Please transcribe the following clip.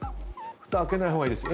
ふた開けない方がいいです。